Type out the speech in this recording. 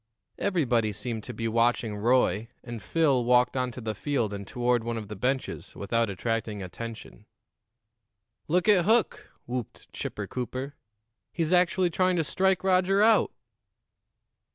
Everybody seemed to be watching Roy, and Phil walked on to the field and toward one of the benches without attracting attention. "Look at Hook!" whooped Chipper Cooper. "He's actually trying to strike Roger out!"